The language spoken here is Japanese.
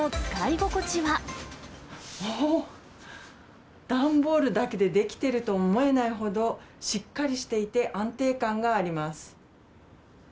おーっ、段ボールだけで出来てるとは思えないほどしっかりしていて、安定感があります。